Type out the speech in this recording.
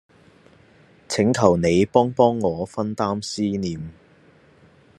請求你幫幫我分擔思念